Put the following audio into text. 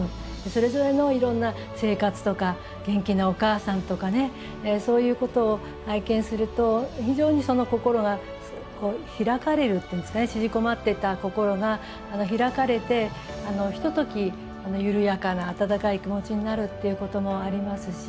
それぞれのいろんな生活とか元気なお母さんとかねそういうことを拝見すると非常に心が開かれるっていうんですかね縮こまってた心が開かれてひととき緩やかな温かい気持ちになるっていうこともありますし。